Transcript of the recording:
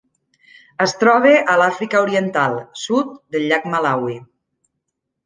Es troba a l'Àfrica Oriental: sud del llac Malawi.